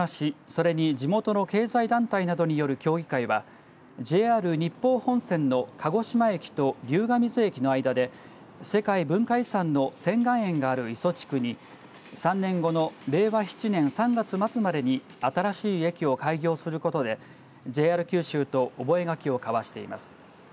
それに地元の経済団体などによる協議会はＪＲ日豊本線の鹿児島駅と竜ケ水駅の間で世界文化遺産の仙巌園がある磯地区に３年後の令和７年３月末までに新しい駅を開業することでＪＲ九州と覚書を交わしています。